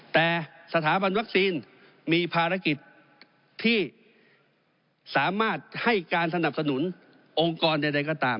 แต่สถาบันวัคซีนมีภารกิจที่สามารถให้การสนับสนุนองค์กรใดก็ตาม